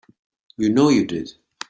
You know you did.